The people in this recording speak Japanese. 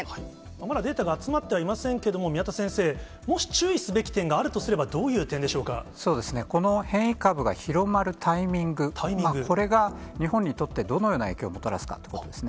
まだデータが集まってはいませんけれども、宮田先生、もし注意すべき点があるとすれば、そうですね、この変異株が広まるタイミング、これが、日本にとってどのような影響をもたらすかということですね。